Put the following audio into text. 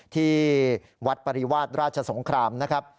ที่วัดปริวาสราชสงครามนะครับ